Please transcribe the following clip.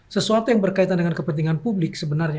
sesuatu yang berkaitan dengan kepentingan publik sebenarnya